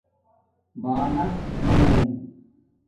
بانس موں